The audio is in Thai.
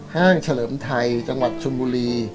ห้างเฉลิมไทยจังหวัดชุมบุรี